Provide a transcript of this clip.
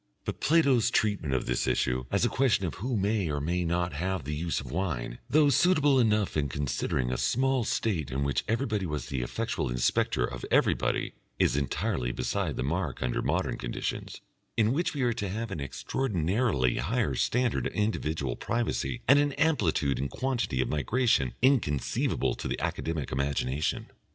But Plato's treatment of this issue as a question of who may or may not have the use of wine, though suitable enough in considering a small State in which everybody was the effectual inspector of everybody, is entirely beside the mark under modern conditions, in which we are to have an extraordinarily higher standard of individual privacy and an amplitude and quantity of migration inconceivable to the Academic imagination.